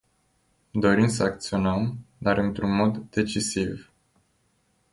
Dorim să acționăm, dar într-un mod decisiv.